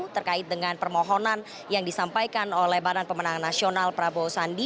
terkait dengan permohonan yang disampaikan oleh badan pemenang nasional prabowo sandi